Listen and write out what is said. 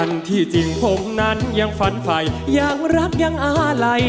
วันที่จริงผมนั้นยังฝันไฟยังรักยังอาลัย